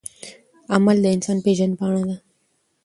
عمل د انسان پیژندپاڼه ده.